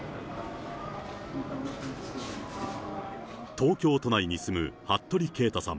東京都内に住む服部圭太さん